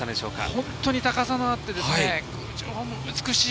本当に高さがあって美しい。